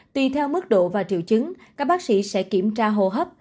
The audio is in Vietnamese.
tùy theo mức độ và triệu chứng các bác sĩ sẽ kiểm tra hồ hấp